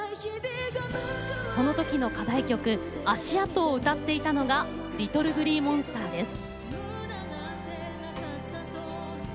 その時の課題曲「足跡」を歌っていたのがＬｉｔｔｌｅＧｌｅｅＭｏｎｓｔｅｒです。